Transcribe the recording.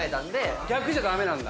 逆じゃ駄目なんだ？